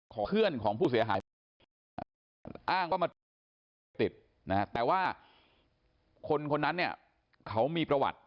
คนนั้นเนี่ยเค้ามีประวัติ